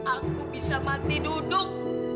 aku bisa mati duduk